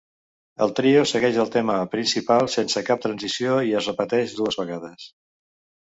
El trio segueix el tema principal sense cap transacció, i es repeteix dues vegades.